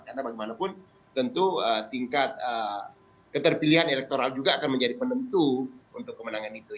karena bagaimanapun tentu tingkat keterpilihan elektoral juga akan menjadi penentu untuk kemenangan itu